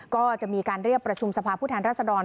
ก็จะมีการเรียกประชุมสภาพผู้แทนรัศดร